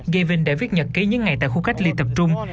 gavin đã viết nhật ký những ngày tại khu cách ly tập trung